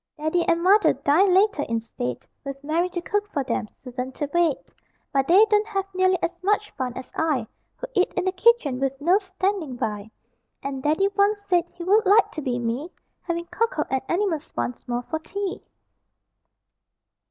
Daddy and Mother dine later in state, With Mary to cook for them, Susan to wait; But they don't have nearly as much fun as I Who eat in the kitchen with Nurse standing by; And Daddy once said, he would like to be me Having cocoa and animals once more for tea!